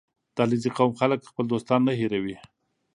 • د علیزي قوم خلک خپل دوستان نه هېروي.